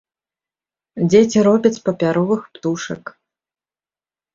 Дзеці робяць папяровых птушак.